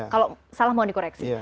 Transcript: kalau salah mohon dikoreksi